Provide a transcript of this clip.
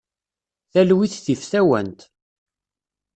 Talwit tif tawant.